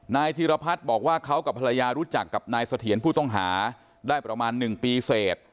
ธีรพัฒน์บอกว่าเขากับภรรยารู้จักกับนายเสถียรผู้ต้องหาได้ประมาณ๑ปีเสร็จ